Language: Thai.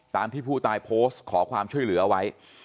ตามที่ผู้ตายโพสต์ขอความช่วยเหลือเอาไว้